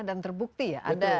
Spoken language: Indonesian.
dan terbukti ya ada